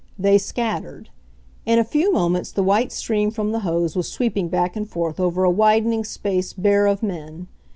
They scattered. In a few moments the white stream from the hose was sweeping back and forth over a widening space bare of men.